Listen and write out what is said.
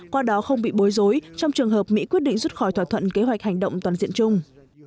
qua đó không bị bối rối trong trường hợp mỹ quyết định rút khỏi thỏa thuận kế hoạch hành động toàn diện chung